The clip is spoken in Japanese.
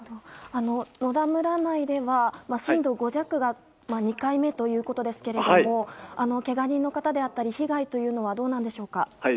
野田村内では震度５弱が２回目ということですがけが人の方であったり被害というのはどうなんでしょうか？